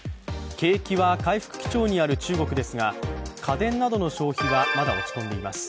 景気は回復基調にある中国ですが家電などの消費はまだ落ち込んでいます。